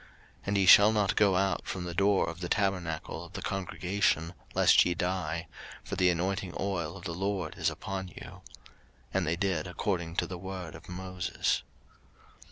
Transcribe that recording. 03:010:007 And ye shall not go out from the door of the tabernacle of the congregation, lest ye die: for the anointing oil of the LORD is upon you. And they did according to the word of Moses.